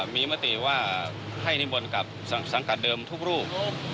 มีมติว่าให้นิมนต์กับสังกัดเดิมทุกรูป